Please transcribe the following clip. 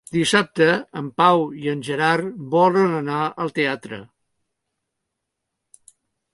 Dissabte en Pau i en Gerard volen anar al teatre.